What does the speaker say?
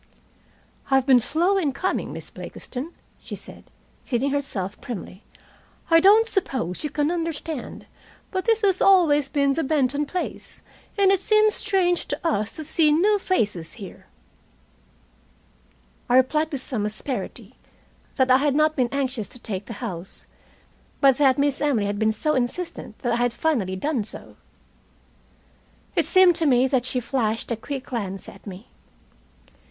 "I've been slow in coming, Miss Blakiston," she said, seating herself primly. "I don't suppose you can understand, but this has always been the Benton place, and it seems strange to us to see new faces here." I replied, with some asperity, that I had not been anxious to take the house, but that Miss Emily had been so insistent that I had finally done so. It seemed to me that she flashed a quick glance at me.